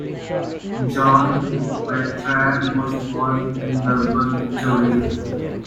John Bertrand was born in Melbourne, Victoria.